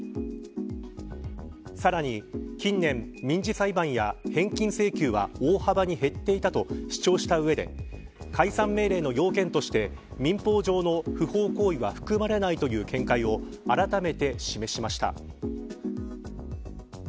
さらに、近年民事裁判や返金請求は大幅に減っていたと主張した上で解散命令の要件として民法上の不法行為は含まれないという見解をあらためて示しました。